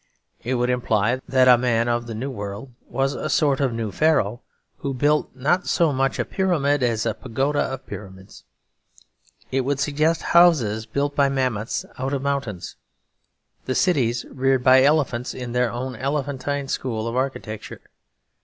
It would imply that a man of the new world was a sort of new Pharaoh, who built not so much a pyramid as a pagoda of pyramids. It would suggest houses built by mammoths out of mountains; the cities reared by elephants in their own elephantine school of architecture.